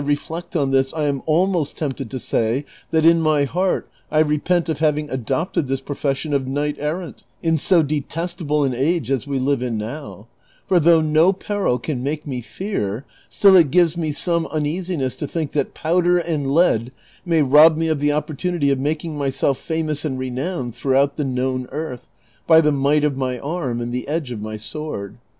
329 reflect on this, I am almost tempted to say that in my heart I repent of having adopted this profession of knight errant in so detestable an age as we live in now ; for though no peril can make me fear, still it gives me some uneasiness to think that powder and lead may rob me of the opportunity of making myself famous and renowned throughout the known earth by the might of my arm and the edge of my sword.